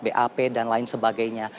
bap dan lain sebagainya